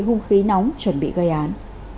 hung khí nóng chuẩn bị gây án